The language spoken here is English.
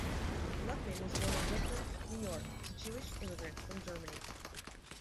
Luckman was born in Brooklyn, New York, to Jewish immigrants from Germany.